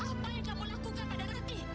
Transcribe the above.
apa yang kamu lakukan pada rati